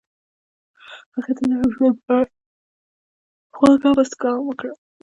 هغې د نرم ژوند په اړه خوږه موسکا هم وکړه.